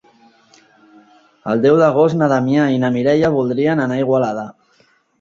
El deu d'agost na Damià i na Mireia voldrien anar a Igualada.